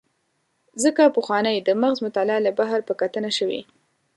ځکه پخوانۍ د مغز مطالعه له بهر په کتنه شوې.